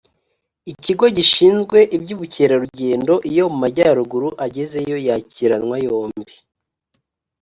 ikigo gishinzwe iby’ubukerarugendo iyo mu majyaruguru agezeyo yakiranwa yombi.